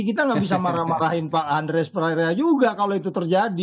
kita nggak bisa marah marahin pak andreas prarea juga kalau itu terjadi